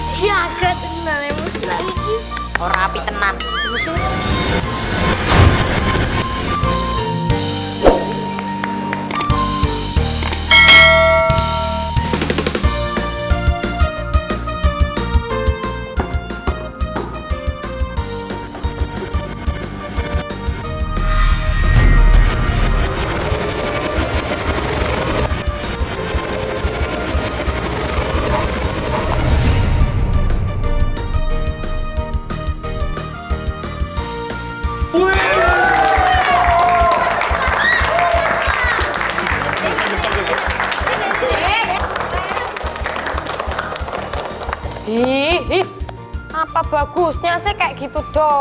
jangan lupa like share dan subscribe ya